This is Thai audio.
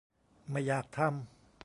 ไม่อยากทำ